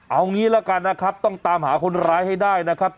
เอางี้ละกันนะครับต้องตามหาคนร้ายให้ได้นะครับ